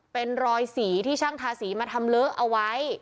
เป็นรอยสีที่ช่างทาสีมาทำเลอะเอาไว้